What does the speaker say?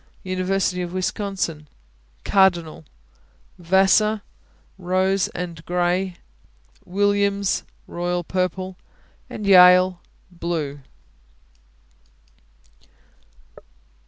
University of Wisconsin Cardinal. Vassar Rose and gray. Williams Royal purple. Yale Blue.